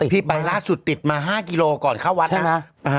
ไปล่าสุดติดมา๕กิโลก่อนเข้าวัดนะ